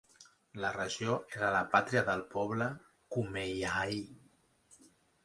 La regió era la pàtria del poble Kumeyaay.